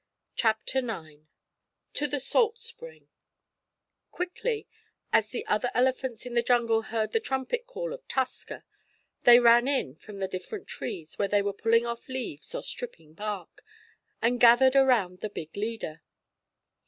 CHAPTER IX TO THE SALT SPRING Quickly, as the other elephants in the jungle heard the trumpet call of Tusker, they ran in from the different trees, where they were pulling off leaves or stripping bark, and gathered around the big leader.